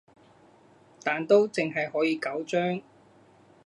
但都淨係可以九張